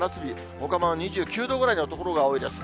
ほかも２９度ぐらいの所が多いです。